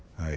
はい！